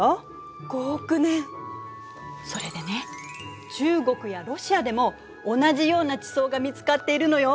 それでね中国やロシアでも同じような地層が見つかっているのよ。